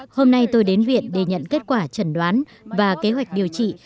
hôm nay tôi đến viện để nhận kết quả trần đoán và kế hoạch điều trị